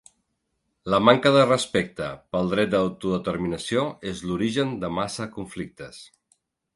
La manca de respecte pel dret d’autodeterminació és l’origen de massa conflictes.